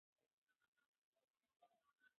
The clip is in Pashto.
دا زوړ تلیفون د ده او د کور تر منځ یوازینۍ اړیکه وه.